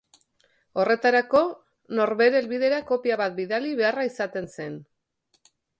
Horretarako, norbere helbidera kopia bat bidali beharra izaten zen.